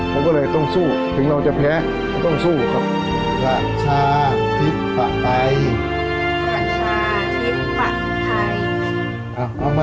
เราก็เลยต้องสู้ถึงเราจะแพ้ต้องสู้ครับ